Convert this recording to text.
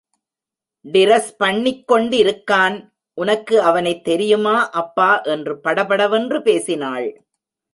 Dress பண்ணிக் கொண்டிருக்கான், உனக்கு அவனைத் தெரியுமா அப்பா என்று படபடவென்று பேசினாள்.